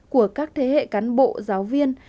của các thế hệ cán bộ giáo viên